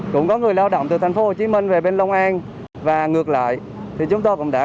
cũng có người lao động từ thành phố hồ chí minh về bên long an và ngược lại thì chúng tôi cũng đã